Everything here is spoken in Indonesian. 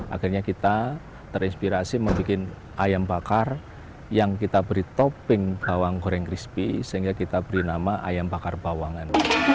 akhirnya kita terinspirasi membuat ayam bakar yang kita beri topping bawang goreng crispy sehingga kita beri nama ayam bakar bawangan